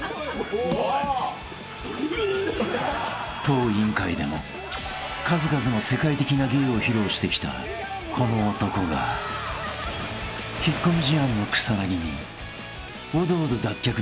［当委員会でも数々の世界的な芸を披露してきたこの男が引っ込み思案の草薙に］